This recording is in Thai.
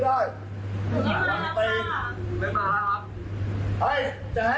จะให้กูเดินก็ไปแล้วมึงจะออกมา